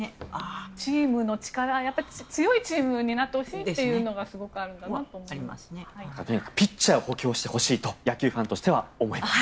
チームの力強いチームになってほしいというのがピッチャーを補強してほしいと野球ファンとしては思います。